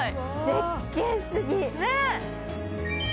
絶景すぎ。